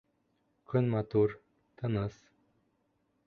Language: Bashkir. Көн матур, тыныс.